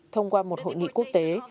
thông qua một hội nghị quốc tế